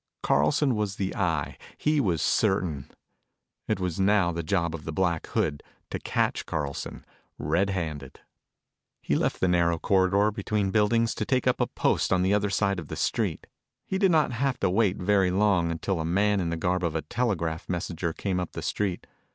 Carlson was the Eye, he was certain. It was now the job of the Black Hood to catch Carlson red handed. He left the narrow corridor between buildings to take up a post on the other side of the street. He did not have to wait very long until a man in the garb of a telegraph messenger came up the street.